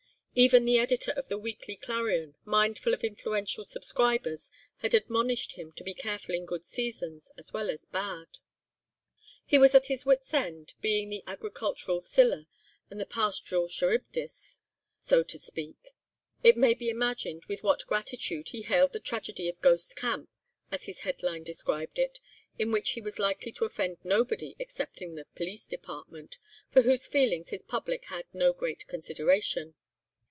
Even the editor of the Weekly Clarion, mindful of influential subscribers, had admonished him to be careful in good seasons, as well as bad. He was at his wits' end, between the agricultural Scylla, and the pastoral Charybdis, so to speak. It may be imagined with what gratitude he hailed the "Tragedy of Ghost Camp," as his headline described it, in which he was likely to offend nobody excepting the Police Department, for whose feelings his public had no great consideration.